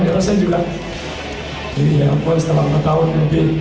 jadi saya juga ya ampun setelah empat tahun lebih